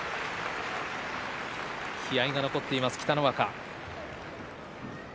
気合いが残っています